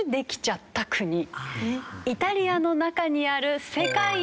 イタリアの中にある世界一